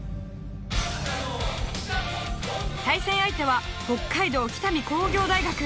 対戦相手は北海道北見工業大学。